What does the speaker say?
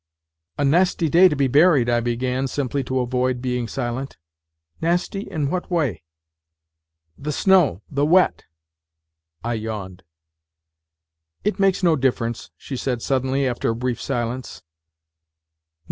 " A nasty day to be buried," I began, simply to avoid being silent. " Nasty, in what way ?"' The snow, the wet." (I yawned.) " It makes no difference," she said suddenly, after a brief silence.